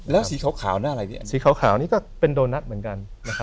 แล้วสีขาวอันนี้เป็นโดนัสเหมือนกัน